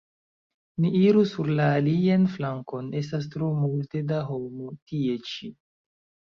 Ni iru sur la alian flankon; estas tro multe da homoj tie ĉi.